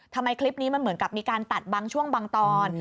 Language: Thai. ทำไมคลิปนี้มันเหมือนกับมีการตัดบางช่วงบางตอน